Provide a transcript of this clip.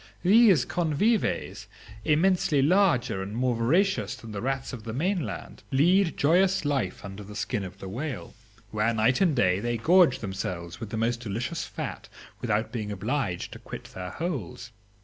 These convives immensely larger and more voracious than the rats of the mainland, lead joyous life under the skin of the whale, where day and night they gorge themselves with the most delicious fat without being obliged to quit their holes.